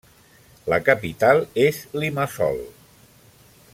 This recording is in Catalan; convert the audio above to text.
La capital és Limassol.